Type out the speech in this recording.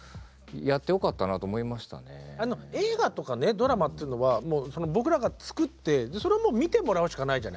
ドラマっていうのは僕らが作ってそれを見てもらうしかないじゃない。